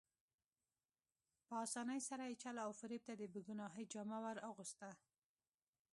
په اسانۍ سره یې چل او فریب ته د بې ګناهۍ جامه ور اغوسته.